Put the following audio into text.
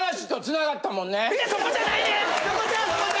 いやそこじゃない！